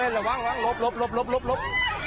ระวังระวังลบลบลบ